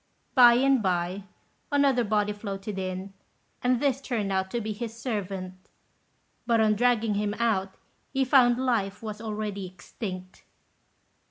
By and by, another body floated in, and this turned out to be his servant; but on dragging him out, he found life was already extinct.